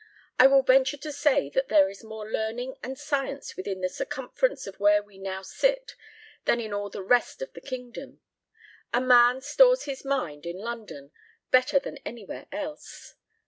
I will venture to say there is more learning and science within the circumference of where we now sit than in all the rest of the kingdom.... A man stores his mind [in London] better than anywhere else....